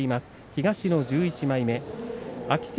東の１１枚目です。